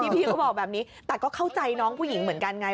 พี่ก็บอกแบบนี้แต่ก็เข้าใจน้องผู้หญิงเหมือนกันไง